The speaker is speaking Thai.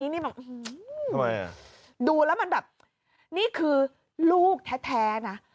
นี่บอกดูแล้วมันแบบนี่คือลูกแท้นะ